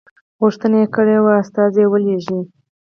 غوښتنه یې کړې وه استازی ولېږي.